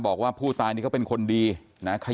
บอกว่าผู้ตายนี่ก็เป็นคนดีนะครับ